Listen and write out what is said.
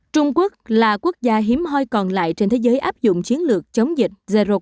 trung quốc là quốc gia hiếm hoi còn lại trên thế giới áp dụng chiến lược chống dịch